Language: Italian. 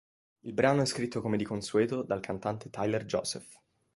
Il brano è scritto come di consueto dal cantante Tyler Joseph.